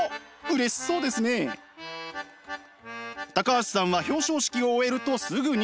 橋さんは表彰式を終えるとすぐに。